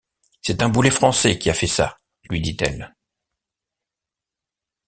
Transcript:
C’est un boulet français qui a fait ça, lui dit-elle.